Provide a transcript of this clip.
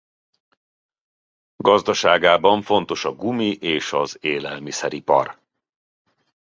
Gazdaságában fontos a gumi és az élelmiszeripar.